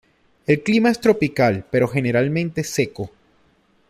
El clima es tropical pero generalmente seco.